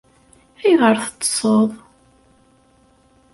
Ayɣer teṭṭseḍ?